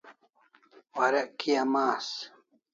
Warek kia mas